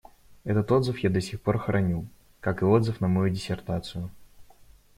Этот отзыв я до сих пор храню, как и отзыв на мою диссертацию.